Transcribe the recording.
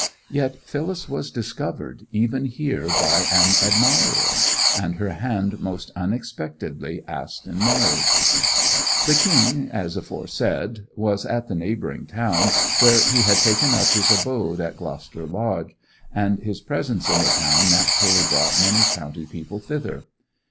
Yet Phyllis was discovered even here by an admirer, and her hand most unexpectedly asked in marriage. The King, as aforesaid, was at the neighbouring town, where he had taken up his abode at Gloucester Lodge and his presence in the town naturally brought many county people thither.